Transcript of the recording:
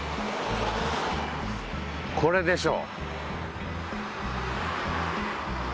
これでしょ。